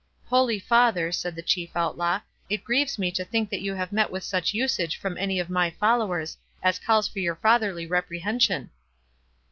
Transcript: "Holy Father," said the chief Outlaw, "it grieves me to think that you have met with such usage from any of my followers, as calls for your fatherly reprehension."